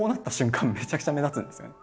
めちゃくちゃ目立つんですよね。